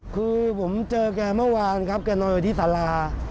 คือผมเจอแกเมื่อวานครับแกนอนอยู่ที่สารา